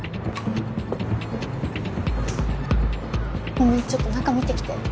ごめんちょっと中見てきて。